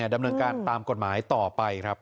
ดำเนินการตามกฎหมายต่อไปครับ